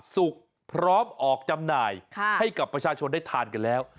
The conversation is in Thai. พร้อมออกจำหน่ายให้กับประชาชนได้ทานกันแล้ว